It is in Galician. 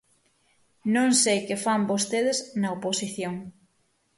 Non sei que fan vostedes na oposición.